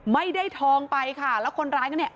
ไม่ได้ทองไปค่ะแล้วคนร้ายก็เนี่ย